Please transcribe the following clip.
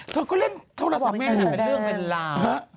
เธอก็เล่นโทรศัพท์แม่เป็นเรื่องเวลา